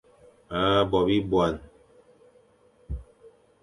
A Bo bibuane.